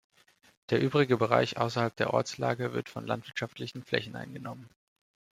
Der übrige Bereich außerhalb der Ortslage wird von landwirtschaftlichen Flächen eingenommen.